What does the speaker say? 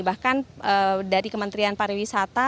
bahkan dari kementerian pariwisata